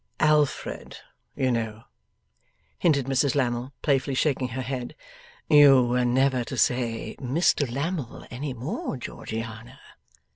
'Alfred, you know,' hinted Mrs Lammle, playfully shaking her head. 'You were never to say Mr Lammle any more, Georgiana.